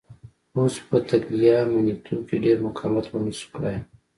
پوځ په تګلیامنیتو کې ډېر مقاومت ونه شوای کړای.